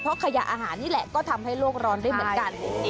เพราะขยะอาหารนี่แหละก็ทำให้โลกร้อนได้เหมือนกัน